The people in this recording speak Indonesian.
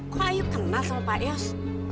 kok ayo kenal sama pak yos